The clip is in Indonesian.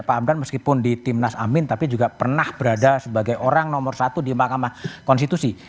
pak hamdan meskipun di timnas amin tapi juga pernah berada sebagai orang nomor satu di mahkamah konstitusi